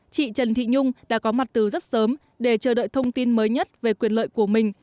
chị trần thị nhung đã có mặt từ rất sớm để chờ đợi thông tin mới nhất về quyền lợi của mình